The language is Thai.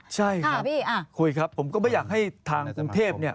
ใช่ครับคุยครับผมก็ไม่อยากให้ทางกรุงเทพเนี่ย